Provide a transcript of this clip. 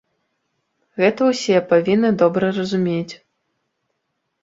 Гэта ўсе павінны добра разумець.